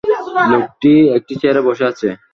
লোকটি একটি চেয়ারে বসে আছে।